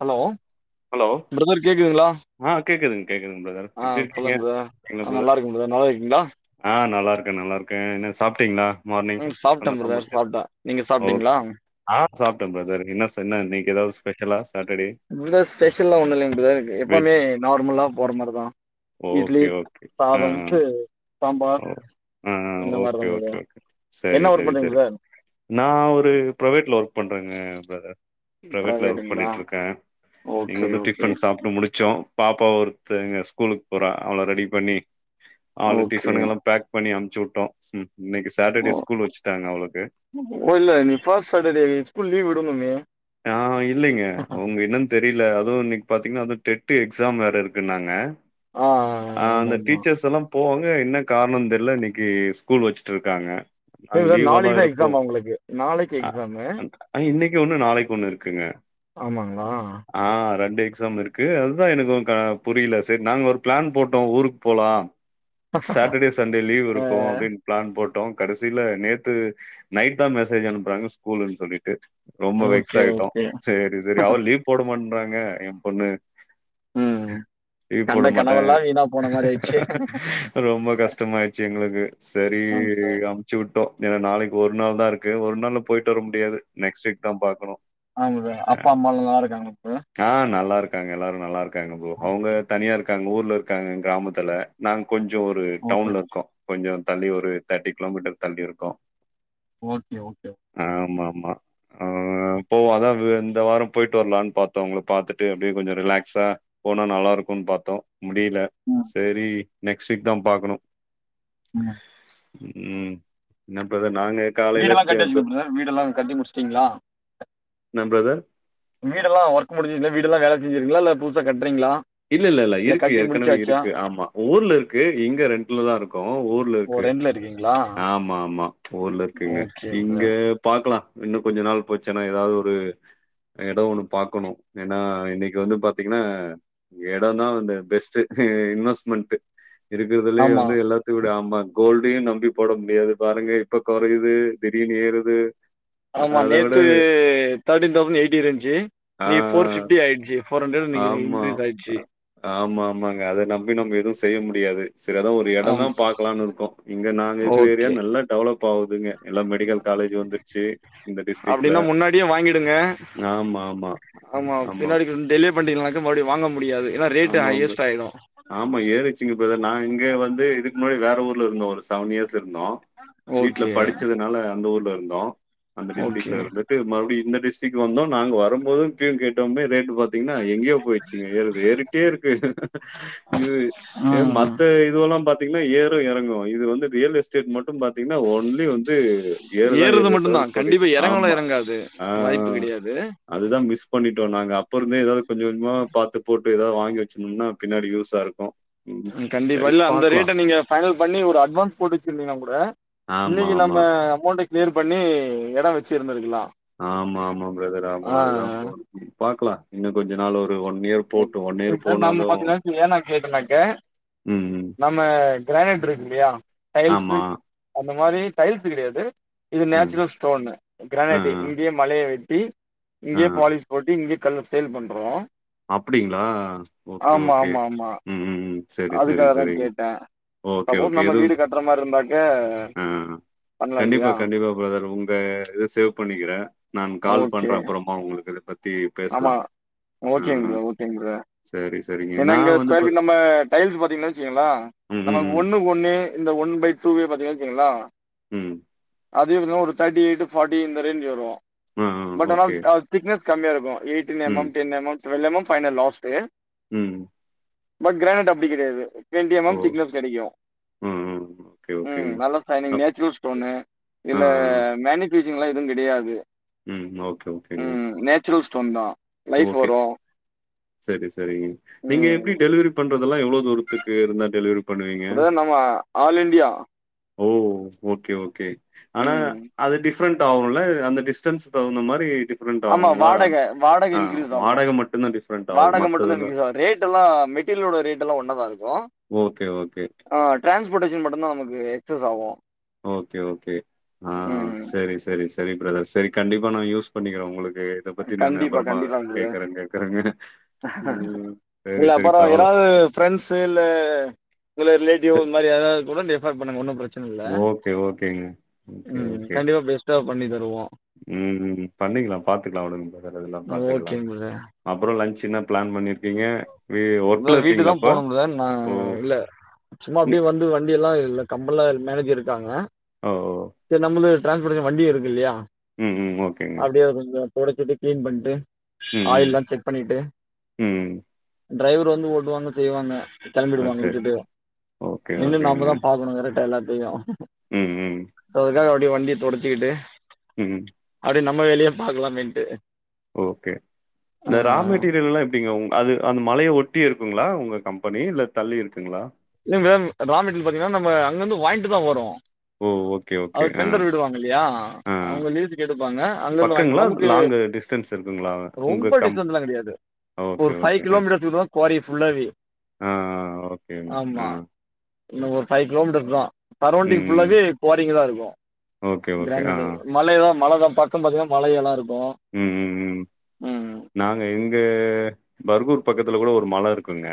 Hello hello brother கேக்குதுங்களா ஆ கேக்குதுங்கே கேக்குதுங்கே பிரதர் எப்படி இருக்கீங்கே என்ன பிரதர் நல்ல இருக்கே பிரதர் நல்லா இருக்கிங்களா ஆ நல்லா இருக்கே நல்லா இருக்கே என்னே சாப்பிட்டீங்களா மார்னிங் ம் சாப்ட்டே பண்ணே பிரதர் [unintelligible] சாப்ட்டே நீங்க சாப்ட்டீங்களா ஓக்கே சாப்பிட்டே பிரதர் என்னார் என்னா இ இன்னைக்கி ஏதாவது ஸ்பெஷலா சாட்டர்டே பிரதர் ஸ்பெஷல்ல ஒண்ணு இல்லைங்க பிரதேர் எப்போமே நார்மலா போற மாரிதா இட்லி ஓக்கே ஓக்கே அ சாதம் அ ச சாம்பார் ஓ ஆ ஆ இந்த மாரிதா ஓக்கே பிரதர் ஓக்கே ஓக்கே சரி என்ன ஒர்க் சரி பண்றீங்க சரி பிரதர் நா ஒரு ப்ரைவேட்ல ஒர்க் பண்றேங்கே பிரதர் பிரைவேட்ல ஒர்க் பிரைவேட்டுங்களா பண்ணிட்டு இருக்கே ஓகே இங்கே ஓகே டிஃபன் சாப்பிட்டு முடிச்சோ பாப்பா ஒருத்தங்க ஸ்கூலுக்கு போறா அவள ரெடி பண்ணி அவளே ஓகே டிஃபனு எல்லா பேக் பண்ணி அனுப்ச்சி விட்டோ இன்னைக்கு சாட்டர்டே ஸ்கூல் வச்சுட்டாங்கா அவளுக்கு ஒ இல்ல இன்னிக்கு ஃபஸ்ட்டு சேட்டர்டே ஸ்கூல் லீவு விடனுமே ஆ இல்லைங்க அவங்க என்னன் தெரில அதுவு இன்னிக் பாத்தீங்கன்னா அதுவு டெட் எக்ஸாம் வேற இருக்குன்னாங்க ஆ ஆ ஆமா அந்த ஆமா டீச்சர்ஸ் எல்லா போவாங்க என்ன கார்ணோன் தெர்ல இன்னிக்கு ஸ்கூல் வச்சிட்ருக்காங்க இல்ல அங் பிரதர் லீவாதா நாளைக்கு தா இருக்கு எக்ஸாமா உங்களுக்கு நாளைக்கு ஆ எக்ஸாமு ஆ இன்னிக்கு ஒன்னு நாளைக்கு ஒன்னு இருக்குங்க ஆமாங்ளா ஆ ரெண்டு எக்ஸாம் இருக்கு அதுதா எனக்கு கா புரில சேர் நாங்க ஒர்க் பிளான் போட்டோ ஊருக்கு போலா சாட்டர்டே சண்டே லீவ் இருக்கு ஆ அப்பிடின் பிளான் போட்டோ கடசில நேத்து நைட் தா மெசேஜ் அனுப்புறாங்க ஸ்கூல்ன்னு சொல்லிட்டு ரொம்ப வெக்ஸ் ஓகே ஆயிட்டோ ஓகே சேரி செரி அவ லீவ் போட மாட்றாங்க எங்க பொண்ணு ம் லீவ் போட கண்ட மாட் பே கனவெல்லாம் வீணா போன மாரி ஆயிடுச்சு. ரொம்ப கஷ்ட்டமாய்ட்ச்சி எங்ளுக்கு சரி ஆமா சார். ச்சு விட்டோ ஏனா நாளைக்கு ஒரு நாள் தா இருக்கு ஒரு நாள்ல பொயிட்டு வர முடியாது நெக்ஸ்ட் வீக் தா பாக்கணு ஆங்கு அப்பா அம்மாலா நல்லாருக்காங்களா [unintelligible] ஆ நல்லாருக்காங்க எல்லாரு நல்லா இருக்காங்க அவுங்க தனியா இருக்காங்க ஊர்ல இருக்காங்க எங்க கிராமத்துல நாங்க கொஞ்சோ ஒரு ஓகே. டவுன்ல இருக்கோ கொஞ்சோ தள்ளி ஒரு தேர்ட்டி கிலோமீட்டர் தள்ளி இருக்கோ ஓகே ஓகே ஆமாமா ஆ போவோ அதா இந்த வார பொயிட்டு வர்லானு பாத்தோ ஒங்கள பாத்துட்டு அப்டியே கொஞ்ச ரிலாக்ஸா போனா நல்லா இருக்குன் பாத்தோ முடியில ம், சேரி நெக்ஸ்ட் வீக் தா பாக்குனு ம் ம் என்னா பிரதர் நாங்க காலையில வீடெல்லா ட து கட்டியாச்சா பிரதர் வீடெல்லா கட்டி முடிச்சிடீங்ளா என்னா பிரதர் வீடெல்லா ஒர்க் முடிஞ்சதே வீடெல்லா வேல செஞ்சிர்க்கீங்களா இல்ல புதுசா கட்றீங்களா இல்லல்ல இல்ல இருக்கு ஏற்கனவே இருக்கு ஆமா ஊர்ல இருக்கு இங்க ரெண்ட்ல தா இருக்கோ ஊர்ல இருக்கு ஓ ரெண்ட்ல இருக்கீங்களா ஆமாமா ஊர்ல இருக்குங்க ஓகே இங்க பிரதர். பாக்லா இன்னு கொஞ்ச நாள் போச்சின்னா எதாது ஒரு எடம் ஒன்னு பாக்குனு ஏனா இன்னிக்கு வந்து பாத்திங்கனா எட தா வந்து பெஸ்ட்டு இன்வெஸ்ட்மெண்ட் இருக்றதுலயே ஆமா. வந்து எல்லாத் த்துவிடு ஆமா கோல்டையு நம்பி போட முடியாது பாருங்க இப்ப கொறையிது திடீர்னு ஏறுது அ- ஆமா அத விட நேத்து தேர்ட்டீன் தௌசண்ட் எயிட்டி இருந்துச்சி ஆ இன்னிக் ஃபோர் ஃபிப்டி ஆயிடுச்சி ஆமா ஆமா ஆமாங்க அத நம்பி இல்ல நம்ம எது செய்ய முடியாது செரி அதா ஒரு எட தா ஆம். பாக்லானு இருக்கோ இங்க நாங்க இருக்கிற ஏரியா ஓகே. நல்லா டெவலப் பாகுதுங்க எல்லா மெடிக்கல் காலேஜி வந்துர்ச்சி இந்த டிஸ்டிக்ல அப்டின்னா முன்னாடியே வாங்கிடுங்க. ஆமாமா ஆமா பண்டினாக்க மறுபடி வாங்க முடியாது ஏன்னா ரேட்டு ஆமாங்க ஹையஸ்ட் ஆயிடு ஆமா ஏறிச்சுங்க இப்ப நா இங்க வந்து இதுக்கு முன்னாடி வேற ஊர்ல இருந்தோ ஒரு செவன் இயர்ஸ் இருந்தோ வீட்ல ஓகே படிச்சதுனால அந்த ஊர்ல இருந்தோ அந்த ஓகே டிஸ்டிக்ல இருந்து ன்டு மறுபடியு இந்த டிஸ்டிக் வந்தோ நாங்க வரம்போது டீம் கேட்டு வந்தே ரேட் பாத் திங்னா எங்யோ போச்சிங்க ஏறுது ஏறிட்டே இருக்கு ஆ மத் த இதெல்லா பாத்தீங்கன்னா ஏறு எறங்கு இது வந்து ரியல் எஸ் டேட் மட்டு பாத்தீங்கன்னா ஓன்லி வந்து ஏறுதா ஏறுறது ஏறுதே மட்டுந்தா தவர கொறைல கண்டிப்பா எறங்கலா ஆமா எறங்காது வாய்ப்பு கெடையாது அதுதா மிஸ் பண்ணிட்டோ நாங்க அப்பறமே எதாவ்து கொஞ்ச கொஞ்சமா பாத்து போட்டு எதா வாங்கி வெச்சுணும்னா பின்னாடி யூஸா இருக்கு கண்டிப்பா இல்ல அந்த ரேட்ட நீங்க ஃபைனல் பண்ணி ஒரு அட்வான்ஸ் போட்டு வெச்சிருந்தீங்கன்னா கூட ஆமா, இன்னைக்கி ஆமா. நம்ம அமௌண்ட க்ளியர் பண்ணி எடோ வெச்சிருந்திருக்குலா ஆமா ஆமா பிரதர் ஆமா அதுதா [inaudible] பாக்கலா இன்னு கொஞ்ச நாள் ஒரு ஒன் இயர் போட்டும் ஒன் இதுக்கு இயர் தா நம்ம போனதும் பாத்தினா [unintelligible] கேட்டனாக்க ம் ம், நம்ம கிரானேட் இருக்கில்லையா டைல்ஸ் ஆமா அந்த மாரி டைல்ஸு கெடையாது இது ம் நேச்சுரல் ஸ்டோனு ஆ க்ரேனட்டி இங்கேயே மலைய வெட்டி ஆ இங்கேயே பாலிஷ் போட்டு இங்கே கல்ல சேல் பண்றோ அப்டிங்ளா ஆமா ஆமா ஆமா செரி செரி அதுக்காக தா செரிங் கேட்டே ஓகே சப்போஸ் ஓகே நம்ம எது வீடு கட்டுற மாரி இருந்தாக்க ஆ பண்ணலா கண்டிப்பா இல்லையா கண்டிப்பா பிரதர் உங்க இது சேவ் பண்ணிக்கிறே நான் கால் ஓகே பண்றே அப்ற மா உங்களுக்கு இத பத்தி பேசலா ஓகேங் பிரதர் ஓகேங்க ப்ர சேரி சேரி ஏனா இங்க ஸ்கொயர் ஃபீட் நம்ம டைல்ஸ் பாத்தீங்கன் வெச்சுக்கங்ளே ம் ம் நமக்கு ம் ஒண்ணு க்கு ஒண்ணு இந்த ஒன் பை டூவே பாத்தீங்கன் வெச்சிங்ளா ம் அதே பாத்திங்னா ஒரு தேட்டி எய்ட்டு ஃபாட்டி இந்த ரேஞ்ச்சு வரு ஆ பட் ஆனா ஓகே க திக்னஸ் கம்மிய இருக்கு எயிட்டின் எம் ம் M ten M M twelve M M final last ம் பட் க்ரானெட் அப்புடி கெடையாது ரெண்டு எம் ஓ எம் திக்னஸ் கெடைக்கு ம் ம் ஓகே ம் ஓகேங்க நல்ல சைனிங் அப்- நேச்சுரல் ஸ்டோனு இல்ல ஆ மேனிக் பினிஷிங்லா எதுவு கெடையாது ம் ஓகே ஓகேங்க நேச்சுரல் ஸ்டோன் தா லைஃப் வரு செரி செரிங்க நீங்க ம். எப்டி டெலிவரி பண்றதெல்லா எவ்ளோ தூரத்துக்கு இருந்தா டெலிவரி பண்ணுவீங்க? பிரதர் நம்ம ஆல் இண்டியா ஓ ஓகே ஓகே ஆனா ம். அது டி டிஃப்ரெண்ட் ஆகுல்ல அந்த டிஸ்டன்ஸ் தவ்ந்த மாரி டிஃப்ரெண்ட் ஆகுங்ளா வாடக இன்கிரிஸ் ஆகு ஆகும். வாடக மட்டு தா மத்ததெல்லாம் இன்கிரீஸ் ஆகு ரேட் டெல்லா மெட்டீரியலோட ரேட் எல்லா ஒன்னதா இருக்கு ஓகே ஓகே ஆ டிரான்ஸ்போர்ட்டேஷன் மட்டுந்தா நமக்கு எக்ஸஸ் ஆகு ஓகே ஓகே ஆ செரி செரி செரி பிரதர் செரி கண்டிப்பா நா யூஸ் பண்ணிக்கிறே உங்களுக்கு இத பத்தி நா கண்டிப்பா, அப்பறமா கண்டிப்பாங்க பிரதர். கேக்குற கேக்குறங்க இல்ல அப்பறோ யாராவ்து ஃப்ரெண்ஸு இல்ல உங்க ரிலேட்டிவ்வோ சரி. இந்மாரி யாரவ்து கூட ரெஃப்பர் பண்ணுங்க ஒன்னு பிர ச்சன இல்ல ஓகே, ஓகேங்க. ஓகே, ம் ஓகே. கண்டிப்பா பெஸ்ட்டா பண்ணி தருவோ ம் ம் பண்ணிக்கலா பாத்துக்கலா உடுங் ப்ரதர் அதெல்லா பாத்துக்கலாங்க ஓகேங்க பிரதர். அப்றோ லஞ்ச் என்ன பிளான் பண்ணிருக்கீங்க வி ஒர்க்ல பிரதர் வீட்டுக்தா இருக்கீங்களா அப்ப போணு பிரதர் நா ஓ இல்ல சும்மா நீ அப்டியு வந் து வண்டி எல்லா இல்ல கம்பளா மேனேஜர் இருக்காங்க ஓ ஓ ச நம்மளு டின்ஸ்போர்டுகு எ வண்டியு இருக்கு இல்லயா ம் ம் ஓகேங்க அப்டியே அத கொஞ்ச தொடச்சுட்டு கிளீன் பண்ட்டு ம் ம் ஆயில்ல செக் பண்ணிட்டு ம் டிரைவர் வந்து ஓட்டுவாங்க செய்வாங்க ஆ கிளம்பிடுவாங்க சரி விட்டுட்டு ஓகே நின்னு நாமதா பாக்ணு கரக்டா எல்லாத்தையு ம்ம் சோ அதுக்காக அப்டியே வண்டிய தொடச்சுக்கிட்டு ம் அப்டி நம்ம வேலயு பாக்லாமேன்ட்டு ஓகே இந்த ராமு விட் மெட்டீரியல்லா எப்படிங்க உ அது அந்த மலய ஒட்டி இருக்குங்ளா உங்க கம்பெனி இல்ல தள்ளி இருக்குங்ளா இல்ல மேம் ரா மெட்ரியல் பாத்தீங்கன்னா நம்ம அங்கந்து வாய்ன்ட்டு தா வரோ ஓ ஓகே ஓகே அவர் ஆ டெண்டர் விடுவாங் இல்லியா ஆ அவுங்க லீசுக்கு எடுப்பாங்க அங்கர்ந்து வாய்ன்டு பக்கங்களா வந்தம் நமுகு லாங்கு டிஸ்டன்ஸ் இருக்குங்களா உங்க ரொம்ப கம் டிஸ்டன்ஸ்லா கெடையாது ஓகே ஒரு ஃபைவ் கிலோ மீட்டர் தூரோ குவாரி ஃபுல்லாவே ம் ஒரு ஆமா இங்க ஒரு ஃபைவ் கிலோமீட்டர் தா ம் சரௌண்டிங் ம் ஃபுல்லாவே குவாரிங்க தா இருக்கு ஓகே ஓகே ஆ கிரானடு ஆ மலைலா மலதா பக்க பாத்தீங்னா மலயெலா இருக்கு ம் ம் ம். ம் நாங்க இங்க பர்கூர் பக்கத்துல கூட ஒரு மல இருக்குங்க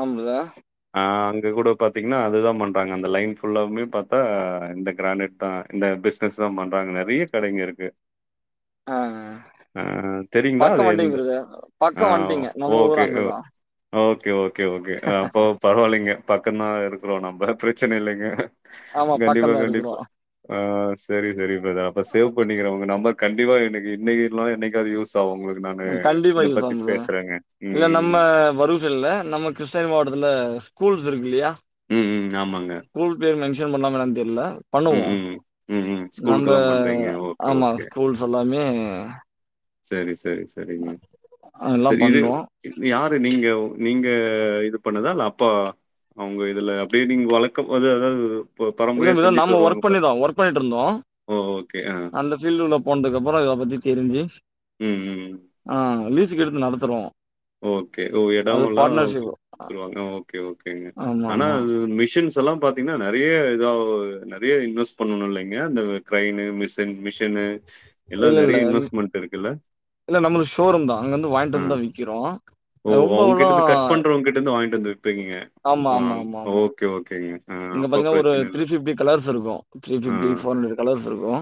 ஆமா பிரதர் அ அங்க கூட பாத்தீங்னா அதுதா பண்றாங்க அந்த லைன் ஃபுல்லாவுமே பாத்தா இந்த கிரானேட் தா இந்த பிசனஸ் தா பண்றாங்க நெறைய கடைங்க இருக்கு ஆ ஆ தெரியுங்ளா அது பக்கம் வன்ட்டீங்க எந்த பிரதர் ஆ பக்கம் வன்ட்டீங்க நம்ம ஊரு ஓகே அங்கதா ஓகே ஓகே ஓகே அப்போ பரவால்லிங்க பக்கந்தா இருக்கிறோ நம்ப பிரச்சன இல்லங்க ஆமா கண்டிப்பா பக்கம் தா இருக்குறோ கண்டிப்பா ஆ செரி செரி பிரதர் அப்ப சேவ் பண்ணிக்கிற உங்க நம்பர் கண்டிப்பா எனக்கு இன்னிக்கி இல்ன என்னிக்காது யூஸ் தாவு உங்ளுக்கு நானு கண்டிப்பா இத பத்தி பேசுறேங்க ம் அ வருச் சில்ல நம்ம கிருஷ்ணரி மாவட்டத்துல ஸ்கூல்ஸ் இருக்கு இல்லயா ம் ம் ஆமாங்க ஸ்கூல் பேரு மென்ஷன் பண்லாம என்னன் தெர்ல ம், பண்ணுவோ ம். ம், ம். நம்ப ஸ்கூலுக்கெல்லாம் பண்றீங்க. ஓகே, ஆமா ஓகே. ஸ்கூல்ஸ் எல்லாமே செரி செரி செரிங்க எல்லா செரி இது பண்றோ இதுல யாரு நீங்க நீங்க இது பண்ணதா இல்ல அப்பா அவுங்க இதுல அப்டியே நீங்க வளக்கம் போது எதாது இல்ல பிரதர் நாம ஒர்க் பண்ணிடோ ஒர்க் பண்ணிட்ருந்தோ ஓ! ஓகே. ஆ. அந்த பீல்டுள்ள போனதுக்கப்பற இத பத்தி தெரிஞ்சு ம் ம் ம் லீஸ்ஸுக்கு எடுத்து நடத்துறோ ஓகே ஓ அது இடமெல்லா பார்ட்னர்ஷிப் குத்துருவாங்க ஓகே ஓகேங்க ஆமா ஆனா ஆமா அது மிஷின்ஸ் ஸலா பாத்தீங்னா நெறைய இதாவ் நெறைய இன்வெஸ் பண்ணணு இல்லைங்க அந்த கிரைனு மிஷின் மிஷினு இல்ல எல்லாம் இல்ல நெறைய இன்வெஸ்ட்மென்ட் இருக்குல்ல? இல்ல நம்மளுது ஷோரூம் தா அங்கருந்து வாங்கிட்டு ஆ. வந்துதா விக்கிறோ ஓ அவங்ககிட்ட ரொம்பவெல்லா இருந்து கட் பண்றவங்கிட்ட இருந்து வாங்கிட்டு வந்து விப்பிங்க ஆமா ஆமா ஆமா ஆமா ஆ இங்க அப்ப பாத்திங்னா ஒரு பிரச்சனை இல்ல. த்ரீ ஃபிஃப்டி கலர்ஸ் இருக்கு த்ரீ ஆ. ஃபிஃப்டி ஃபோர் ஹண்ட்ரட் கலர்ஸ் இருக்கு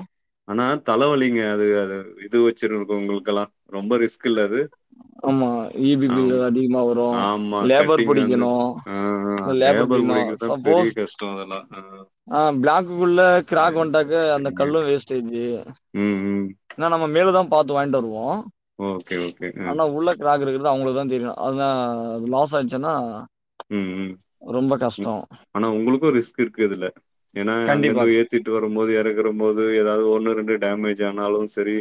ஆனா தலவலிங்க அது அது இது வெச்சிருக்கவங்களுக்கெல்லா ரொம்ப ரிஸ்க் இல்ல இது ஆமா ஈ பி பில் அதிகமா வரு ஆமா. லேபர் கட்டிங் வந்து புடிக்கணு ஆ லேபர் புடிக்ணு சப்போஸ் சோ அதனால ஆ பிளாக் குள்ள கிராக் வன்ட்டாக்க அந்த சரிங்க. கல்லு வேஸ்ட்டேஜு ம் ம் ஏன்னா நம்ம மேலுதா பாத்து வாங்கிட்டு வருவோ ஓகே ஓகேங்க க்ராக் இருக்கறது அவங்களுக்குதா தெரியு அதா லாஸ் ஆச்சுன்னா ம், ம், ரொம்ப கஷ்ட ம். ஆனா உங்களுக்கு ரிஸ்க் இருக்கு இதுல்ல ஏன்னா கண்டிப்பா அங்கிருந்து ஏத் திட்டு வரும்போது எறக்குறம் போது ஏதாவது ஒண்ணு ரெண்டு டேமேஜ் ஆனாலு சரி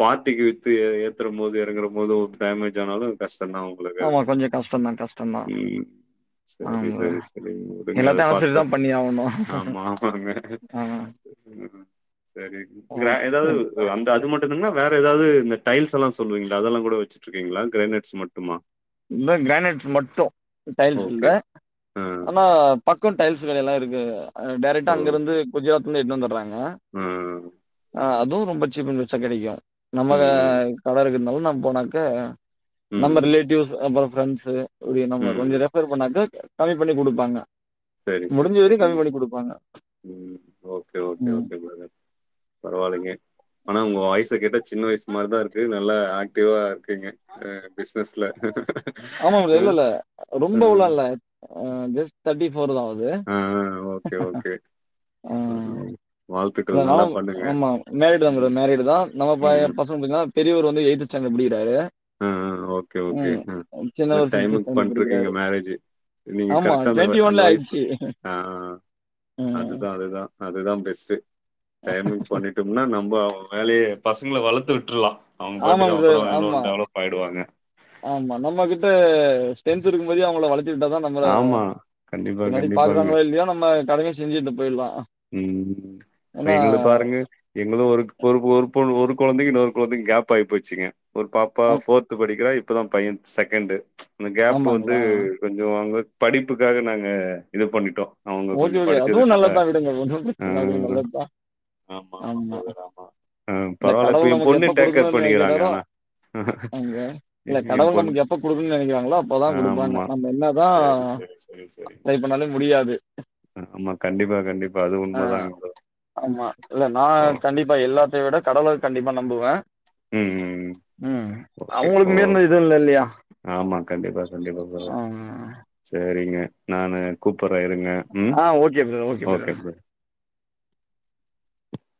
பார்ட்டிக்கு வித்து ஏ ஏத்தறம் போது எறக்கறம் போது டேமேஜ் ஆனாலு கஷ்டந்தா ஆகு உங்களுக்கு ஆமா கொஞ்சம் கஷ்டம் தான் கஷ்டம் தான் ம் செரி ஆமா செரி உடுங்க அத எல்லாத்தையும் அனுசரிச்சு பாத்த தான் பண்ணி ஆகணும் ஆமா ஆமாங்க ஆ சரி வேறெதாவுது ஓகே ப்ரோ இந்த அது மட்டுந்தான வேற ஏதாவது இந்த டைல்ஸ் எல்லா சொல்லுவிங்களே அதெல்லா கூட வெச்சிட்டு இருக்கிங்களா கிரேனேட்ஸ் மட்டுமா இதுமா கிரானைட்ஸ் மட்டு டைல்ஸ் இல்ல ஓகே. ஆ. ஆனா பக்க டைல்ஸ் கடைலா இருக்கு டேரக்டா ஓ! அங்க இருந்து குஜராத்ல இருந்து எடுத்துட் வந்தர்றாங் க ஆ. ஆ அதுவு ரொம்ப சீப் அன் பெஸ்ட்டா கெடைக்கு நம்ம ம், ம். கட இருக்கனாலா நம்ம போனாக்க நம்ம ம். ரிலேட்டிவ்ஸ் அப்பற ஃப்ரெண்ட்ஸு ஒரு நம்ம கொஞ்ச ம். ரெஃபர் பண்ணாக்க கமி பண்ணி குடுப்பாங்க செரி செரி செரி ம் ஓகே ஓகே ம் ஓகே ப்ரதர் பரவாலைங்க ஆனா உங்க வாய்ஸ கேட்டா சின்ன வயசு மாரிதா இருக்கு நல்லா ஆக்டிவா இருக்கிங்க அ பிசினஸ்ல ஆமா அ, ப்ரதர் இல்லல்ல ஆ. ரொம்பவுலா இல்ல ஜஸ்ட் தேட்டி ஃபோர்தா ஆவுது ஆ, ஓகே, ஓகே. ஆ இல்ல வாழ்த்துக்கள் நல்லா நானு பண்ணுங்க. ஆமா மேரிடுதா ப்ரோ ம். மேரிடுதா நம்ம ப ம். பச ங்க எப்டின்னா பெரியவரு வந்து எய்த் ஸ்டாண்டடு படிக்கிறாரு ஆ ஆ ஓகே ஓகே ம் ஆ இல்ல சின்னவரு ஃபிப்த் டைமுக்கு ஸ்டாண்டர்ட் பண்ட்ருக்கிங்க படிக்கிறாரு மேரேஜ் நீங்க ஆமா கரெக்டா அந்த டுவெண்ட்டி அந்த ஒன்ல வயசுல ஆயிடுச்சு ஆ ம் அதுதா அதுதா அதுதா பெஸ்ட்டு டைமுக் பண்ணிட் டம்னா நம்ம வேலய பசங்கள வளத்து விட்ருலா அவங்க ஆமா பாட்டுக்கு ப்ரோ அப்பற எதோ ஆமா ஒன்னு டெவலப் ஆயிடுவாங்க ஆமா நம்ம கிட்ட ஸ்டரென்த் இருக்கும் போதே அவங்கள வளத்தி விட்டாதா நம் மள ஆமா. கண்டிப்பா, பின்னாடி கண்டிப்பாங்க. பாக்கறாங்களோ இல்லயோ நம்ம கடமைய செஞ்சுட்டு போயிடுலா ம் இப்ப எங்கள பாருங்க எங்களு ஒரு ஒரு ஒரு பொ கொழந்தைக்கு இன்னொரு கொழந்தைக்கு கேப் ஆயி போச்சுங்க ஒரு பாப்பா ஆம் ஃபோர்த்து படிக்கிறா இப்பதா பைய செகண்டு இந்த கேப் வந்து ஆமாங்களா கொஞ்ச அவங்க படிப்புக்காக நாங்க இது பண்ணிட்டோ அவங்க கொஞ்ச படிச்சதுனால இல்லங்க ஒன்னு ஆ பிரச்சன இல்ல அது நல்லதா ஆமா பிரதர் ஆமா ஆ இந்த பரவால்ல இப்ப கடவுள் எ நமக்கு பொண்ணு எப்ப டேக் கேர் குடுக்கணுன் பண்ணிக்கிறாங்க நெனைக்கறாரோ ஆனா அங்க இல்ல எ கடவுள் பொண்ணு நமக்கு எப்ப குடுக்கன்னு நெனைக்கறாங்களோ அப்பதா ஆமா குடுப்பாங்க நம்ம என்னதா சேரி சேரி சேரி சேரி ட்ரை பண்ணாலு முடியாது ஆமா கண்டிப்பா கண்டிப்பா அது அ உண்மதாங்க ஆமா இல்ல நா ப்ரோ ஓ. கண்டிப்பா எல்லாத்தைய விட கடவுல் கண்டிப்பா நம்புவ ம் ம் ம் ஓகே ஓ அவுங்களுக்கு மீர்னது எது இல்ல இல்லயா ஆமா கண்டிப்பா கண்டிப்பா ப சேரீங்க நானு கூப்பர்ற இருங் க ம் ஆ ஓகே பிரதர் பிரதர். ஓகே [unintelligible]